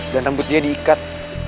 dan rambutnya diikat